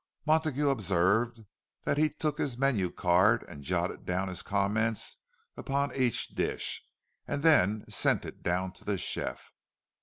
Montague observed that he took his menu card and jotted down his comments upon each dish, and then sent it down to the chef.